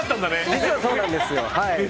実はそうなんですよ。